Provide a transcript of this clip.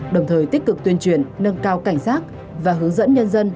đồng thời tích cực tuyên truyền nâng cao cảnh giác và hướng dẫn nhân dân